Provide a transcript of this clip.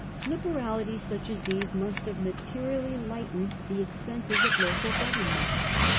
Liberalities such as these must have materially lightened the expenses of the local government.